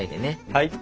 はい。